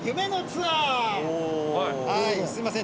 すみません